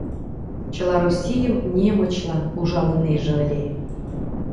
Чыла Российым немычлан ужалынеже ыле.